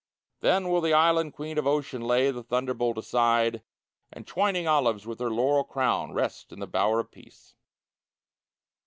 Then will the Island Queen of Ocean lay The thunderbolt aside, And, twining olives with her laurel crown, Rest in the Bower of Peace.